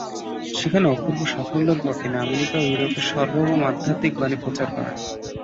সেখানে অপূর্ব সাফল্যের পর তিনি আমেরিকা ও ইউরোপে সার্বভৌম আধ্যাত্মিক বাণী প্রচার করেন।